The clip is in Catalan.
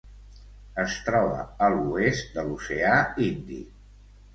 Es troba a l'oest de l'Oceà Índic: